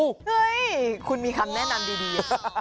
เฮ้ยคุณมีคำแนะนำดี